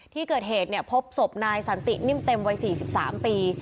ที่เกิดเหตุพบศพนายสันตินิ่มเต็มวัย๔๓ปี